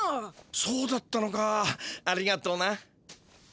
そうだったのかありがとな。